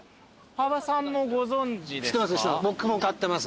羽場さんもご存じですか？